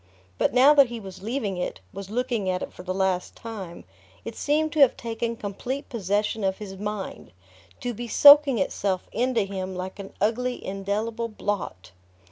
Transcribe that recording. But now that he was leaving it, was looking at it for the last time, it seemed to have taken complete possession of his mind, to be soaking itself into him like an ugly indelible blot.